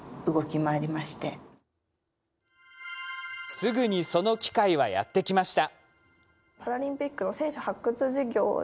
すぐにその機会はやってきました。